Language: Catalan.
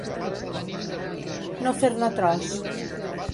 No fer-ne tros.